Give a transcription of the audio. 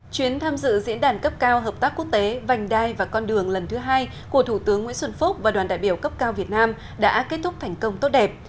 chuyến tham dự diễn đàn cấp cao hợp tác quốc tế vành đai và con đường lần thứ hai của thủ tướng nguyễn xuân phúc và đoàn đại biểu cấp cao việt nam đã kết thúc thành công tốt đẹp